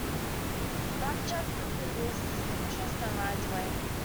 Black Jack quickly loses interest and rides away.